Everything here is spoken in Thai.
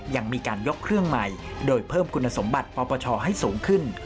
ยังมีการยกเครื่องใหม่โดยเพิ่มคุณสมบัติปปชให้สูงขึ้น